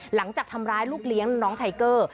หลังจากทำร้ายลูกเลี้ยงน้องไทเกอร์